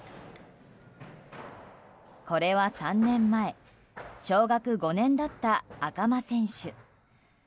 これは３年前、小学５年だった赤間選手。